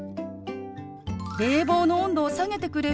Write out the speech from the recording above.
「冷房の温度を下げてくれる？